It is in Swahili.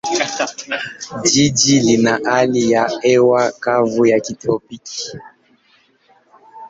Jiji lina hali ya hewa kavu ya kitropiki.